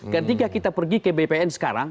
ketika kita pergi ke bpn sekarang